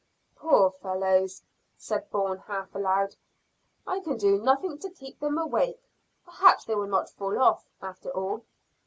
"Poor fellows!" said Bourne half aloud. "I can do nothing to keep them awake. Perhaps they will not fall off, after all."